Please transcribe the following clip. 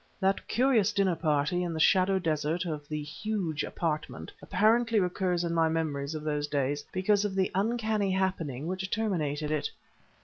That curious dinner party in the shadow desert of the huge apartment frequently recurs in my memories of those days because of the uncanny happening which terminated it.